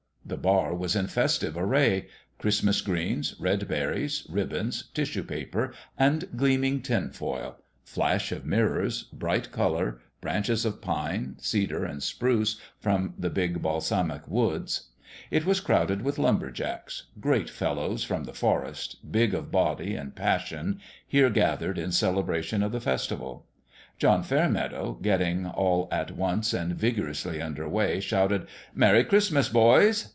The bar was in festive array : Christmas greens, red berries, ribbons, tissue paper and gleaming tin foil flash of mirrors, bright colour, branches of pine, cedar and spruce from the big balsamic woods. It was crowded with lumber j acks great fellows from the forest, big of body and passion, here gathered in celebration of the festival. John Fairmeadow, getting all at once and vigor ously under way, shouted " Merry Christmas, boys